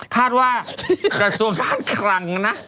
คาดว่ากระทรวงการคลังนะ